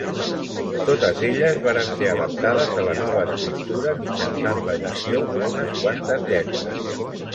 Totes elles varen ser adaptades a la nova escriptura mitjançant l'addició d'unes quantes lletres.